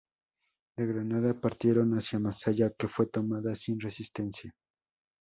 De Granada partieron hacia Masaya, que fue tomada sin resistencia.